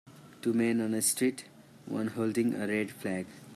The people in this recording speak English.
Two men on a street, one holding a red flag.